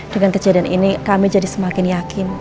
dengan kejadian ini kami jadi semakin yakin